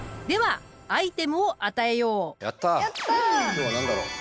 今日は何だろう？